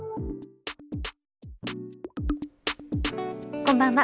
こんばんは。